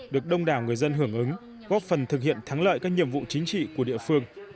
được đông đảo người dân hưởng ứng góp phần thực hiện thắng lợi các nhiệm vụ chính trị của địa phương